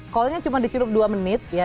kolnya cuma diciduk dua menit ya